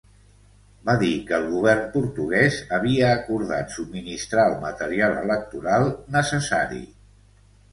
Va dir que el govern portuguès havia acordat subministrar el material electoral necessari.